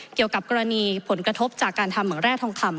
เกี่ยวกับกรณีผลกระทบจากการทำเหมืองแร่ทองคำ